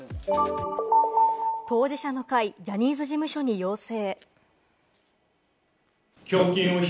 当事者の会、ジャニーズ事務所に要請。